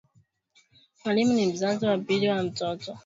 Mwalimu ni mzazi wa pili wa mtoto